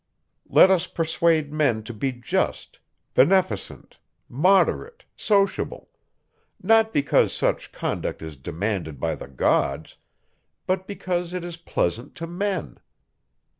Let us persuade men to be just, beneficent, moderate, sociable; not because such conduct is demanded by the gods, but, because it is pleasant to men.